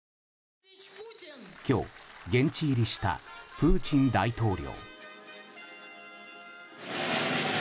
今日、現地入りしたプーチン大統領。